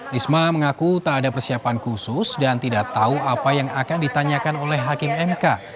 risma mengaku tak ada persiapan khusus dan tidak tahu apa yang akan ditanyakan oleh hakim mk